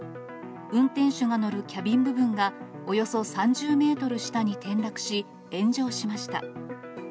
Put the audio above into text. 運転手が乗るキャビン部分がおよそ３０メートル下に転落し、炎上しました。